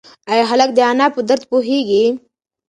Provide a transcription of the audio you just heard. ایا هلک د انا په درد پوهېږي؟